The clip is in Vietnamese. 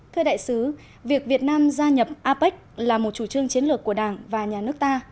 thưa đại sứ việc việt nam gia nhập apec là một chủ trương chiến lược của đảng và nhà nước ta